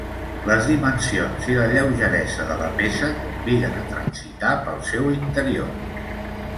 Les dimensions i la lleugeresa de la peça conviden a transitar pel seu interior.